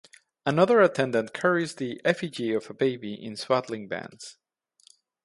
Another attendant carries the effigy of a baby in swaddling bands.